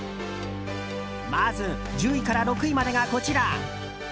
まずは１０位から６位までがこちら。